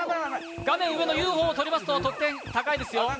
画面上のＵＦＯを取りますと得点高いですよ。